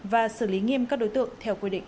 và xử lý nghiêm các đối tượng theo quy định